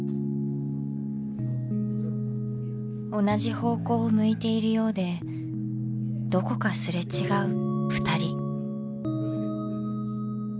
同じ方向を向いているようでどこかすれ違うふたり。